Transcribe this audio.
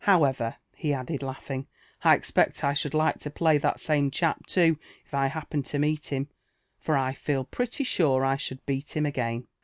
However," he added, latigliing, I ex()ect I should like to play that same cliap too if I happened to meet him, for I feel preily sure 1 should brat him again.